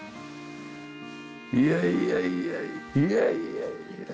いやいやいやいやいやいや！